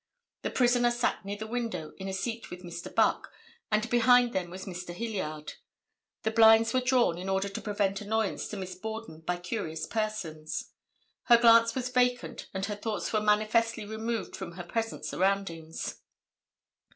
The prisoner sat near the window in a seat with Mr. Buck, and behind them was Mr. Hilliard. The blinds were drawn in order to prevent annoyance to Miss Borden by curious persons. Her glance was vacant and her thoughts were manifestly removed from her present surroundings.